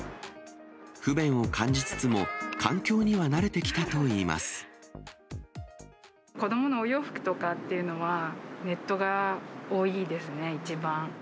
不便を感じつつも、子どものお洋服とかっていうのは、ネットが多いですね、一番。